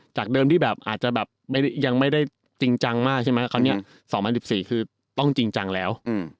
จากเดิมที่แบบอาจจะแบบยังไม่ได้จริงจังมากใช่ไหมคราวนี้๒๐๑๔คือต้องจริงจังแล้ว